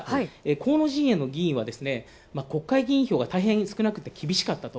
河野陣営の議員は国会議員票が大変少なくて厳しかったと。